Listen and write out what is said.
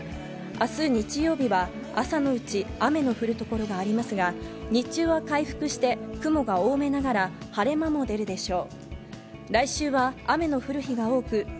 明日日曜日は、朝のうち、雨の降る所がありますが、日中は回復して雲が多めながら、晴れ間も出るでしょう。